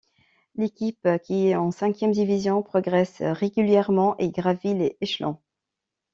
L'équipe qui est en cinquième division progresse régulièrement et gravit les échelons.